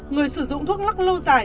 người sử dụng thuốc lóc lâu dài